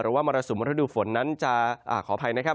หรือว่ามรสุมวันศูนย์ฝนนั้นจะขออภัยนะครับ